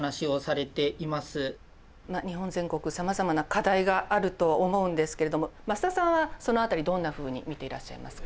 日本全国さまざまな課題があると思うんですけれども増田さんはその辺りどんなふうに見ていらっしゃいますか？